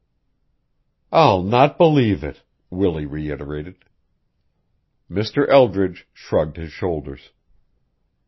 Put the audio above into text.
"I'll not believe it!" Willie reiterated. Mr. Eldridge shrugged his shoulders.